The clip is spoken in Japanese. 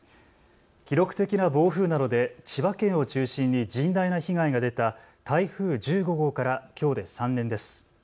記録的な暴風などで千葉県を中心に甚大な被害が出た台風１５号からきょうで３年です。